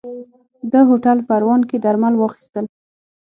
ده هوټل پروان کې درمل واخيستل.